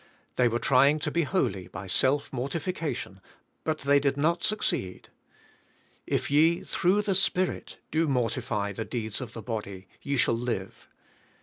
They were trying to be holy by self mortification but they did not succeed. "If ye through the Spirit do mortify the deeds of the body ye shall live."